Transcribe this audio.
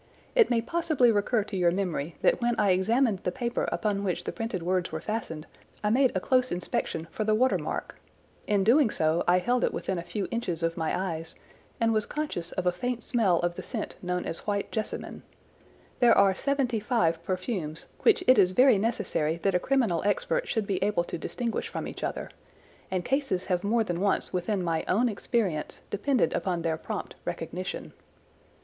It may possibly recur to your memory that when I examined the paper upon which the printed words were fastened I made a close inspection for the water mark. In doing so I held it within a few inches of my eyes, and was conscious of a faint smell of the scent known as white jessamine. There are seventy five perfumes, which it is very necessary that a criminal expert should be able to distinguish from each other, and cases have more than once within my own experience depended upon their prompt recognition.